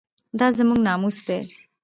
دا زموږ ناموس دی؟